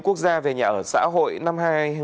quốc gia về nhà ở xã hội năm hai nghìn một mươi tám